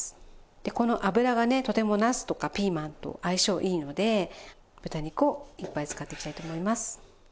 でこの脂がねとてもなすとかピーマンと相性いいので豚肉をいっぱい使っていきたいと思います。